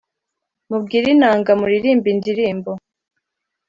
Mubwire inanga muririmbe indirimbo